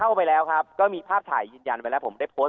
เข้าไปแล้วครับก็มีภาพถ่ายยืนยันไว้แล้วผมได้โพสต์